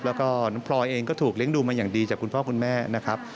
แล้วก็น้องพลอยเองก็ถูกเลี้ยงดูมาอย่างดีจากคุณพ่อคุณแม่นะครับ